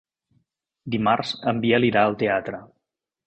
Dimarts en Biel irà al teatre.